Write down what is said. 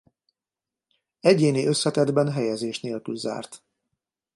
Egyéni összetettben helyezés nélkül zárt.